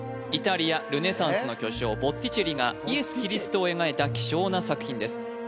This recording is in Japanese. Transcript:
イタリアルネサンスの巨匠ボッティチェリがイエス・キリストを描いた希少な作品です